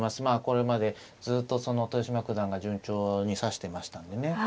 まあこれまでずっと豊島九段が順調に指してましたんでね。